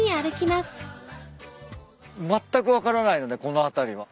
まったく分からないのでこの辺りは。